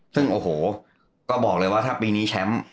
ซึ่งโอ้โหก็บอกเลยว่าถ้าปีนี้แชมป์